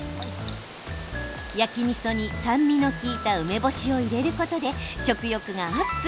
焼きみそに酸味の利いた梅干しを入れることで、食欲がアップ。